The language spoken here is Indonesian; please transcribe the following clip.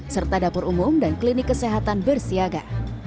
serta dapur umum dan klinik kesehatan bersiaga